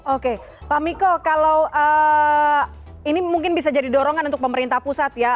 oke pak miko kalau ini mungkin bisa jadi dorongan untuk pemerintah pusat ya